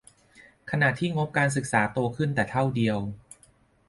ขณะที่งบการศึกษาโตขึ้นแต่เท่าเดียว